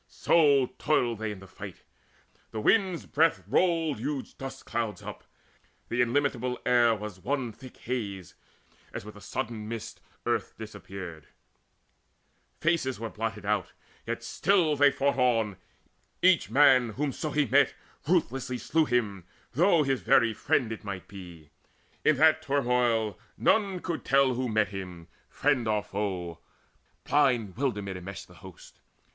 So toiled they in the fight: the wind's breath rolled Huge dust clouds up; the illimitable air Was one thick haze, as with a sudden mist: Earth disappeared, faces were blotted out; Yet still they fought on; each man, whomso he met, Ruthlessly slew him, though his very friend It might be in that turmoil none could tell Who met him, friend or foe: blind wilderment Enmeshed the hosts.